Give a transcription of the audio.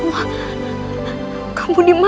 hasil putra mereka